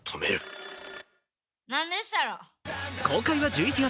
公開は１１月。